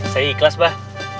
saya ikhlas bah